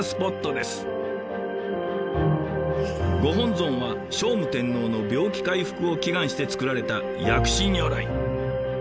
ご本尊は聖武天皇の病気回復を祈願して造られた薬師如来。